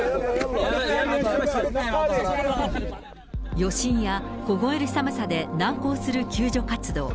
余震や凍える寒さで、難航する救助活動。